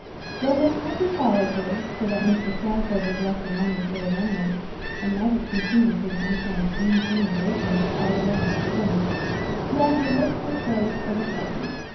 Though Miss Woodley followed her, so that Mr. Sandford was left alone with Lord Elmwood, and might have continued his unkind insinuations without one restraint, yet his lips were closed for the present.